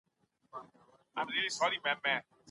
تاسي راځئ مه .